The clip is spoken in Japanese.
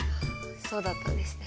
そうだったんですね。